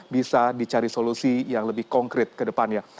bisa dicari solusi yang lebih konkret ke depannya